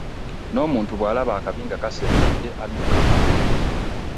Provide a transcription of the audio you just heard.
N'omutnu bwalaba akabi nga kasembedde adduka mangu .